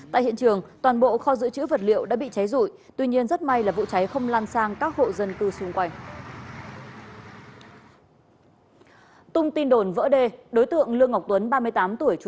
tại hiện trường toàn bộ kho dự trữ vật liệu đã bị cháy rụi tuy nhiên rất may là vụ cháy không lan sang các hộ dân cư xung quanh